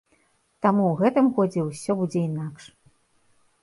Таму ў гэтым годзе ўсё будзе інакш!